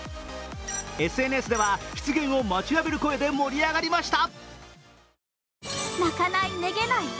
ＳＮＳでは、出現を待ちわびる声で盛り上がりました。